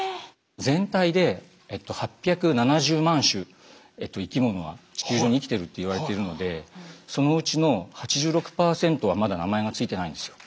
全体で８７０万種生きものが地球上に生きてるっていわれてるのでそのうちの８６％はまだ名前がついてないんですよ。